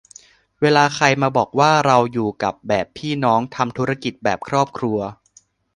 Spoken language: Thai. เวลาใครมาบอกว่า "เราอยู่กันแบบพี่น้อง" "ทำธุรกิจแบบครอบครัว"